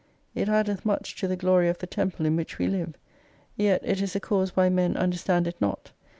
It addeth much to the Glory of the Temple in which we live. Yet it is the cause why men understand it not.